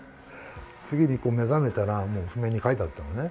次に目覚めたら、もう譜面に書いてあったのね。